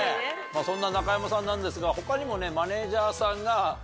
そんな中山さんなんですが他にもね。